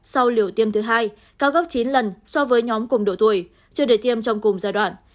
sau liều tiêm thứ hai cao gấp chín lần so với nhóm cùng độ tuổi chưa để tiêm trong cùng giai đoạn